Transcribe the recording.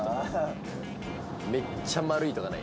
めっちゃ丸いとかない？